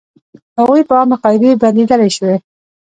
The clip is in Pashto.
هغوی په عامې قاعدې بدلېدلی شوې.